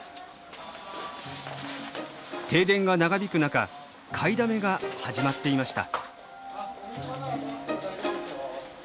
停電が長引く中買いだめが始まっていました。